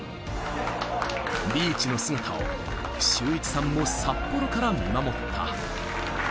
リーチの姿を修一さんも札幌から見守った。